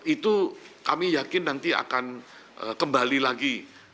itu kami yakin nanti akan kembali lagi